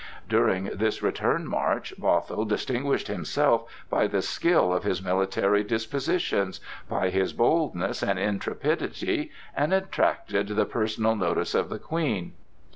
During this return march Bothwell distinguished himself by the skill of his military dispositions, by his boldness and intrepidity, and attracted the personal notice of the Queen.